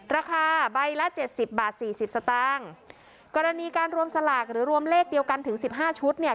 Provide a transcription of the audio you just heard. ราคาใบละเจ็ดสิบบาทสี่สิบสตางค์กรณีการรวมสลากหรือรวมเลขเดียวกันถึงสิบห้าชุดเนี่ย